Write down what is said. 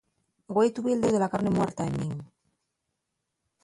Güei tuvi el deséu de la carne muerta en min.